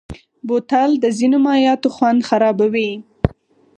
بوتل د ځینو مایعاتو خوند خرابوي.